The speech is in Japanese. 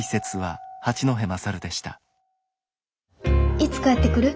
・いつ帰ってくる？